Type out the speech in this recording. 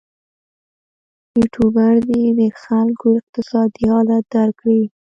یوټوبر دې د خلکو اقتصادي حالت درک کړي.